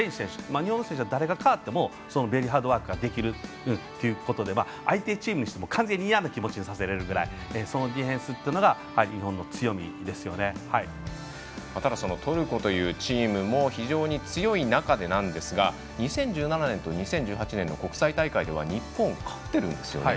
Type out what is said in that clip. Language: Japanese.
日本の選手は誰が代わってもベリーハードワークができるということで相手チームを完全に嫌な気持ちにさせるぐらいそのディフェンスがただトルコというチームも非常に強い中でなんですが２０１７年と２０１８年の国際大会では日本は勝ってるんですよね。